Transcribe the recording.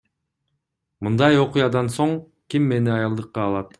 Мындай окуядан соң ким мени аялдыкка алат?